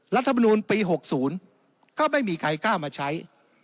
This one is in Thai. รัฐมนูลปี๖๐ก็ไม่มีใครกล้ามาใช้